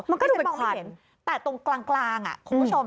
มันก็ดูเป็นควันแต่ตรงกลางคุณผู้ชม